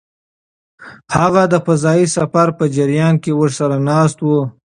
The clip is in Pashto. هغه د فضايي سفر په جریان کې ورسره ناست و.